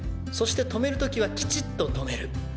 そして止めるときはきちっと止める。